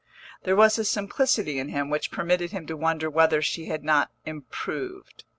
There was a simplicity in him which permitted him to wonder whether she had not improved.